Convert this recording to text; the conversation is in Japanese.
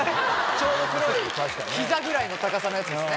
ちょうど黒い膝ぐらいの高さのやつですね。